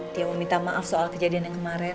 dia mau minta maaf soal kejadian yang kemarin